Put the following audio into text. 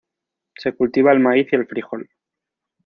Se cultiva el maíz y el frijol.